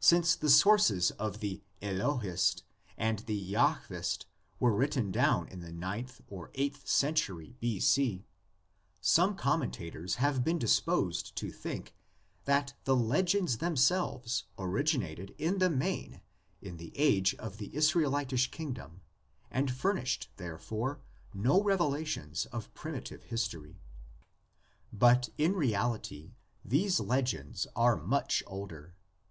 Since the sources of the Elohist and the Jahvist were written down in the ninth or eight century B. C, some commentators have been disposed to think that the legends themselves originated in the main in the age of the Israelitish kingdom and furnished therefore no revelations of primitive history. But in reality these legends are much older.